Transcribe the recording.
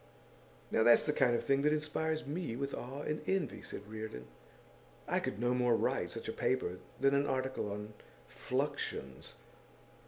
'Now that's the kind of thing that inspires me with awe and envy,' said Reardon. 'I could no more write such a paper than an article on Fluxions.